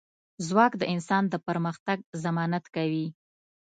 ځواک د انسان د پرمختګ ضمانت کوي.